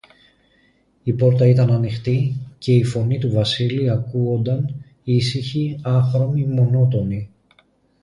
Η πόρτα ήταν ανοιχτή, και η φωνή του Βασίλη ακούουνταν, ήσυχη, άχρωμη, μονότονη.